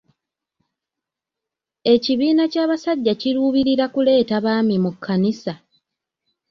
Ekibiina ky'abasajja kiruubirira kuleeta baami mu kkanisa.